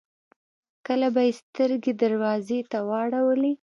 کله به يې سترګې دروازې ته واړولې.